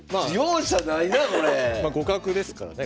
ま互角ですからね